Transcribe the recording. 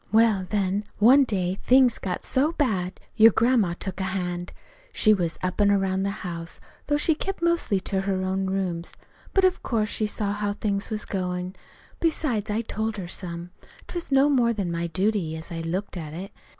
"Well, then, one day things got so bad your grandma took a hand. She was up an' around the house, though she kept mostly to her own rooms. But of course she saw how things was goin'. Besides, I told her some. 'T was no more than my duty, as I looked at it.